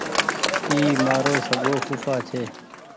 اي مآرو سگو ڦوڦآ ڇي